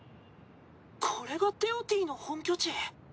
これがテオティの本拠地。